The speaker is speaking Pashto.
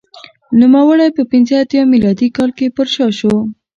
نوموړی په پنځه اتیا میلادي کال کې پرشا شو